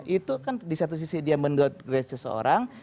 itu kan di satu sisi dia meng god grade seseorang